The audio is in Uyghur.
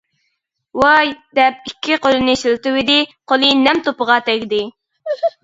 ۋاي، دەپ ئىككى قولىنى شىلتىۋىدى، قولى نەم توپىغا تەگدى.